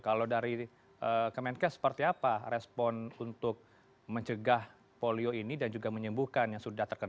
kalau dari kemenkes seperti apa respon untuk mencegah polio ini dan juga menyembuhkan yang sudah terkena